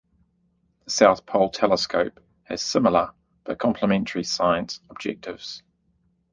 The South Pole Telescope has similar, but complementary, science objectives.